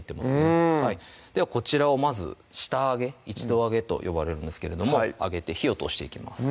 うんではこちらをまず下揚げ一度揚げと呼ばれるんですけれども揚げて火を通していきます